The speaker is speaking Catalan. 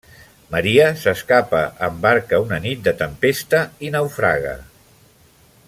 Maria s’escapa en barca una nit de tempesta i naufraga.